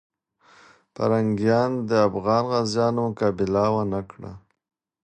پرنګیان د افغان غازیو مقابله ونه کړه.